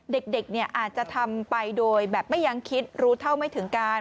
เด็กอาจจะทำไปโดยแบบไม่ยังคิดรู้เท่าไม่ถึงการ